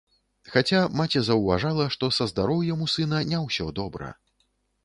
Хаця маці заўважала, што са здароўем у сына не ўсё добра.